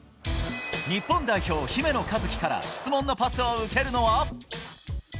日本代表、姫野和樹から質問のパスを受けるのは。